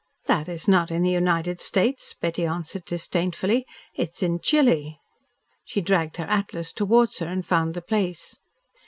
"That is not in the United States," Betty answered disdainfully. "It is in Chili." She dragged her atlas towards her and found the place.